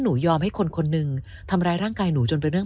ยอมให้คนคนหนึ่งทำร้ายร่างกายหนูจนเป็นเรื่อง